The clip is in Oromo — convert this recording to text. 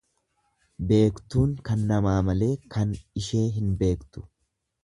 Beektuun kan namaa malee kan ishee hin beektu.